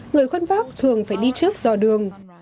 người khuân pháp thường phải đi trước dò đường